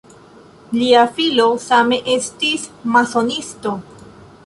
Lia filo same estis masonisto.